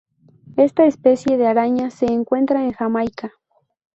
Esta especie de araña se encuentra en Jamaica.